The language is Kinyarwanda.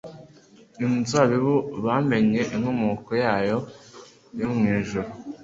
inzabibu bamenye inkomoko yawo yo mu ijuru.